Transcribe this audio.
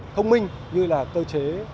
thông minh như là cơ chế